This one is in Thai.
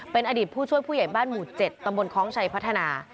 เป็นอดีตผู้ช่วยผู้ใหญ่บ้านหมู่๗ตำบลคล้องชัยพัฒนา